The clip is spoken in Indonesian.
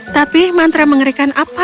tapi mantra mengerikan apa yang dia perlukan